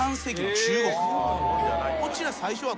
こちら最初は。